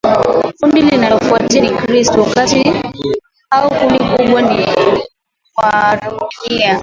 Kundi linalofuata ni Wakristoː kati hao kundi kubwa ni Waarmenia